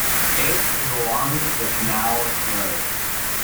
It is along the Canol Road.